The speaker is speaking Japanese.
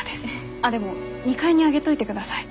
あっでも２階に上げといてください。